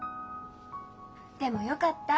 でもよかった。